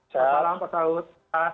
selamat malam pak saud